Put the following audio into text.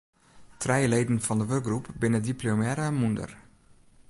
Trije leden fan de wurkgroep binne diplomearre mûnder.